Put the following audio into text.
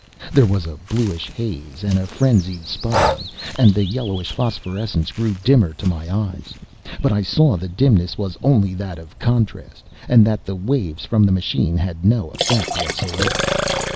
There was a bluish haze and a frenzied sputtering, and the yellowish phosphorescence grew dimmer to my eyes. But I saw the dimness was only that of contrast, and that the waves from the machine had no effect whatever.